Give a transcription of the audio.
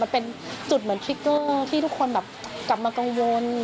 มันเป็นจุดเหมือนทริกเกอร์ที่ทุกคนแบบกลับมากังวล